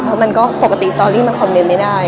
เพราะมันก็ปกติสตอรี่มันคอมเมนต์ไม่ได้